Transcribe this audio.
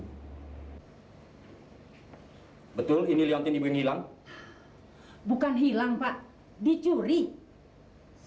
hai betul ini leontin ibu hilang bukan hilang pak dicuri saya kan sudah bilang dia pindah dari rumah saya cuma alesan